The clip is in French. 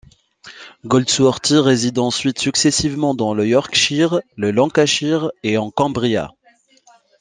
Goldsworthy réside ensuite successivement dans le Yorkshire, le Lancashire et en Cumbria.